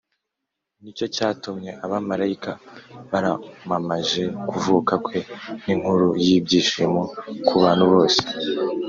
. Nicyo cyatumye abamarayika baramamaje kuvuka kwe nk’inkuru y’ibyishimo ku bantu bose